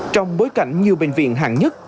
trong bối cảnh nhiều bệnh viện hàng nhất